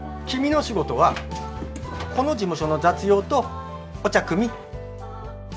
君の仕事はこの事務所の雑用とお茶くみ。